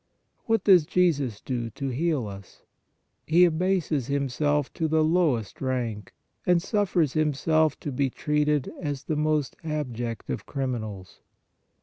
What does Jesus do to heal us ? He abases Himself to the lowest rank and suffers Himself to be treated as the most abject of criminals.